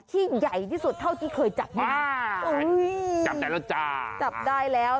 ที่ใหญ่ที่สุดเท่าที่เคยจับมาอุ้ยจับได้แล้วจ้าจับได้แล้ว